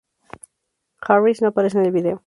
Harris no aparece en el vídeo.